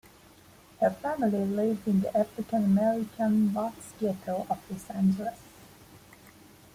Her family lived in the African-American Watts ghetto of Los Angeles.